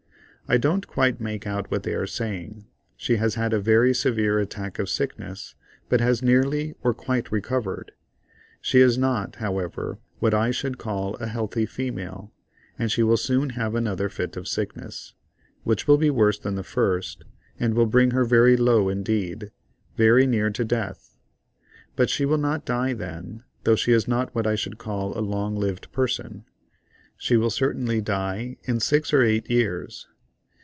I don't quite make out what they are saying. She has had a very severe attack of sickness, but has nearly or quite recovered. She is not, however, what I should call a healthy female, and she will soon have another fit of sickness, which will be worse than the first, and will bring her very low indeed—very near to death. But she will not die then, though she is not what I should call a long lived person. She will certainly die in six or eight years.